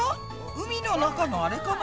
海の中のあれかな？